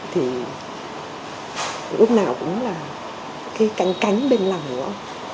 thì lúc nào cũng là cái cánh cánh bên lòng của ông